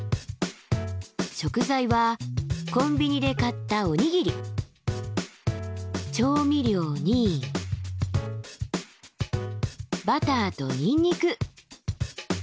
食材はコンビニで買ったおにぎり調味料にバターとニンニク。